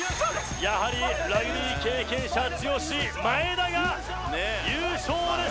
やはりラグビー経験者強し真栄田が優勝です